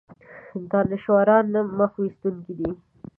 دانشورانه مخ ویستونکی دی.